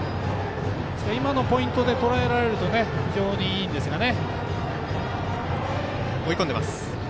ポイントでとらえられると非常にいいんですがね。